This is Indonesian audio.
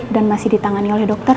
masih ditangani oleh dokter